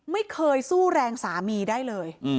ไม่เคยสู้แรงสามีได้เลย